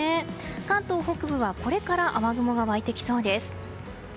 関東北部はこれから雨雲が湧いてきそうです。